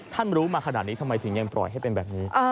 รู้มาขนาดนี้ทำไมถึงยังปล่อยให้เป็นแบบนี้